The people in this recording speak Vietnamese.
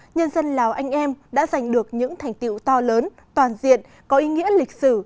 nhân dân lào anh em đã giành được những thành tiệu to lớn toàn diện có ý nghĩa lịch sử